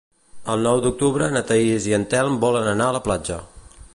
El nou d'octubre na Thaís i en Telm volen anar a la platja.